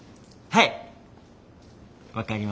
「はい」。